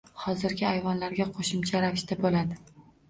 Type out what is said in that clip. Hozirgi ayvonlarga qo‘shimcha ravishda bo’ladi.